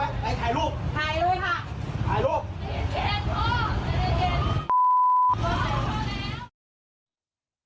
ตัว้าวอริง